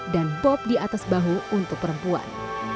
dan bob di atas bahu untuk perempuan